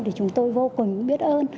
thì chúng tôi vô cùng biết ơn